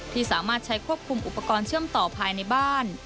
ที่สามารถใช้ควบคุมอุปกรณ์เชื่อมต่อภายในบ้าน